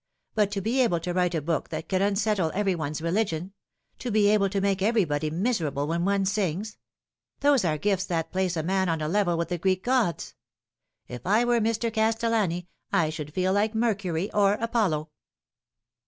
But to be able to write a book that can unsettle every one's religion ; to be able to make everybody miserable when one sings ! Those are gifts that place a man on a level with the Greek gods. If I were Mr. Castellani I should feel like Mercury or Apollo."